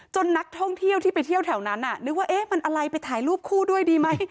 นักท่องเที่ยวที่ไปเที่ยวแถวนั้นนึกว่ามันอะไรไปถ่ายรูปคู่ด้วยดีไหม